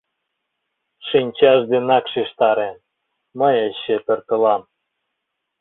Шинчаж денак шижтарен: «Мый эше пӧртылам!